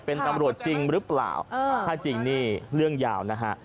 เป็นตำรวจจริงหรือเปล่าถ้าจริงนี่เรื่องยาวนะฮะ